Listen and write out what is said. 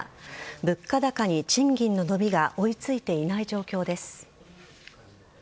物価高に賃金の伸びが追いついていない状況です。